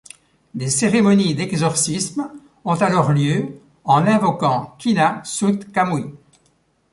Des cérémonies d'exorcisme ont alors lieu en invoquant Kina-sut-kamuy.